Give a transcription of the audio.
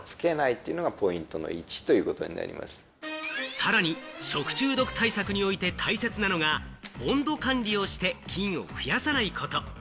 さらに食中毒対策において大切なのが、温度管理をして菌を増やさないこと。